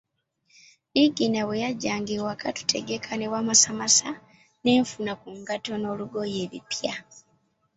Niigiina bwe yajja ng’awaka tutegeka ne wamasamasa, ne nfuna ku ngatto n’olugoye ebipya.